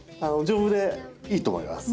丈夫でいいと思います。